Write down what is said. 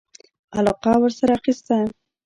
علاقه ورسره اخیسته.